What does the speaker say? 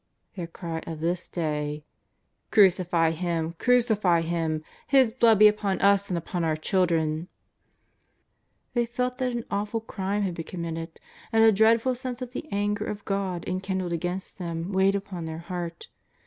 " their cry of this day: ^' Crucify Him ! Crucify Him ! His blood be upon us and upon our children !" They felt that an awful crime had been committed, and a dreadful sense of the anger of God enkindled against them weighed upon every heart.